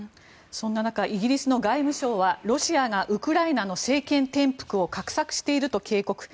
そんな中イギリスの外務省はロシアがウクライナの政権転覆を画策していると警告。